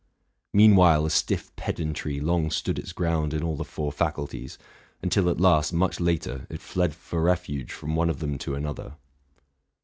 Meanwhile, a stiff pedantry lone stood its ground i in all the four faculties, until at last, much later, it fled for refuge from one of them to another.